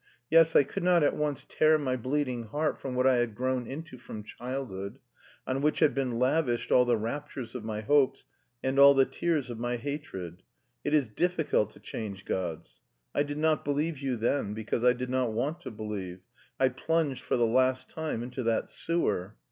Yes, I could not at once tear my bleeding heart from what I had grown into from childhood, on which had been lavished all the raptures of my hopes and all the tears of my hatred.... It is difficult to change gods. I did not believe you then, because I did not want to believe, I plunged for the last time into that sewer....